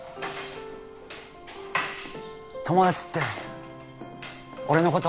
友達って俺のこと？